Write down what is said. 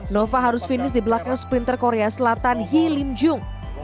nova harus finish di belakang sprinter korea selatan hy lim jung